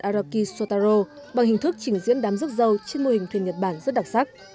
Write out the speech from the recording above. araki sotarro bằng hình thức trình diễn đám rước dâu trên mô hình thuyền nhật bản rất đặc sắc